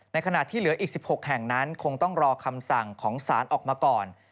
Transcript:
ขณะที่เหลืออีก๑๖แห่งนั้นคงต้องรอคำสั่งของศาลออกมาก่อน